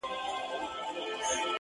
د زړو شرابو ډکي دوې پیالي دی,